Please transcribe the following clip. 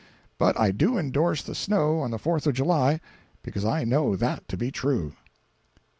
But I do endorse the snow on the Fourth of July—because I know that to be true.